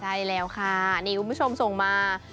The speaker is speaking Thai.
ใช่แล้วค่ะนี่คุณผู้ชมส่งมา